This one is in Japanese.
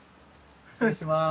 失礼します。